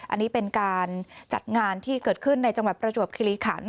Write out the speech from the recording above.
อันนี้เป็นการจัดงานที่เกิดขึ้นในจังหวัดประจวบคิริขัน